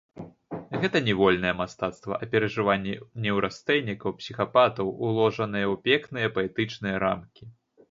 Гэта не вольнае мастацтва, а перажыванні неўрастэнікаў, псіхапатаў, уложаныя ў пекныя паэтычныя рамкі.